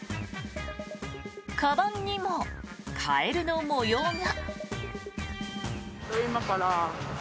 かばんにもカエルの模様が。